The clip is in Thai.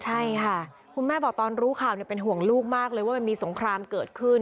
ใช่ค่ะคุณแม่บอกตอนรู้ข่าวเป็นห่วงลูกมากเลยว่ามันมีสงครามเกิดขึ้น